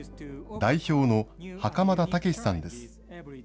代表の袴田武史さんです。